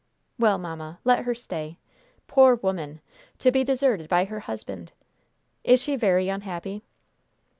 "Well, mamma, let her stay. Poor woman! To be deserted by her husband! Is she very unhappy?"